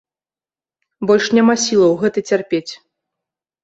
Больш няма сілаў гэта цярпець!